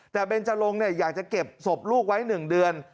แต่เบนจรงอยากจะเก็บศพลูกไว้๑เดือน